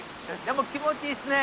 でも気持ちいいですね。